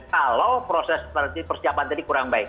kalau proses persiapan tadi kurang baik